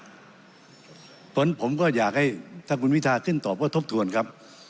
เพราะฉะนั้นผมก็อยากให้ถ้าคุณวิทาขึ้นตอบว่าทบทวนครับ